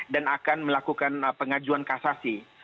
dan akan melakukan pengajuan kasus